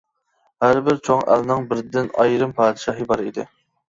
ھەربىر چوڭ ئەلنىڭ بىردىن ئايرىم پادىشاھى بار ئىدى.